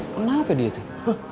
kenapa dia tuh